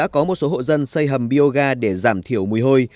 có một số hộ dân xây hầm bioga để giảm thiểu mùi hôi